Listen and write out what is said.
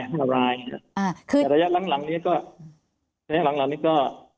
แต่ระยะหลังนี้ก็ระยะหลังนี้ก็